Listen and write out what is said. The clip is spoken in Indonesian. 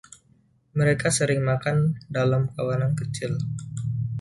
Mereka sering makan dalam kawanan kecil.